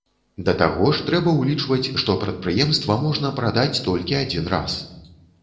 Да таго ж трэба ўлічваць, што прадпрыемства можна прадаць толькі адзін раз.